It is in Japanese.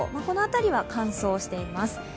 この辺りは乾燥しています。